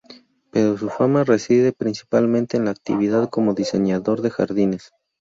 Pero su fama reside principalmente en la actividad como diseñador de jardines.